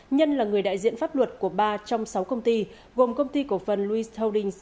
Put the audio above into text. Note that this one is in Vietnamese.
nhân là người đại diện pháp luật của ba trong sáu công ty gồm công ty cổ phần louis holdings